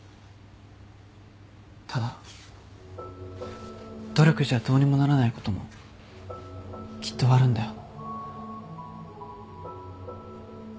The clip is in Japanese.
ただ努力じゃどうにもならないこともきっとあるんだよ。